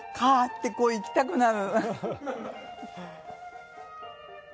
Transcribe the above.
てこういきたくなる。